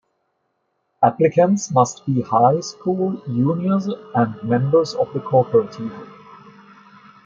Applicants must be high school juniors and members of the Cooperative.